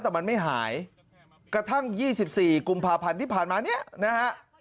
แต่มันไม่หายกระทั่ง๒๔กุมภาพันธ์ที่ผ่านมาเนี่ยนะฮะ